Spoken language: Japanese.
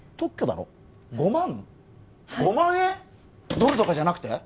ドルとかじゃなくて？